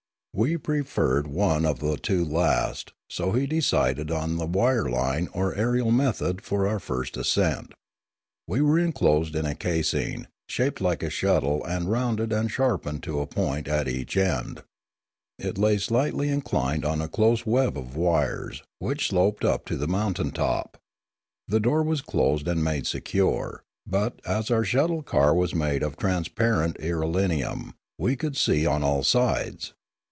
We preferred one of the two last, so he decided on the wire line or aerial method for our first ascent. We were enclosed in a casing, shaped like a shuttle and rounded and sharpened to a point at each end ; it lay slightly inclined on a close web of wires, which sloped up to the mountain top. The door was closed and made secure, but, as our shuttle car was made of trans parent irelium, we could see on all sides.